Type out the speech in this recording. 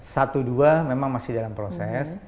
satu dua memang masih dalam proses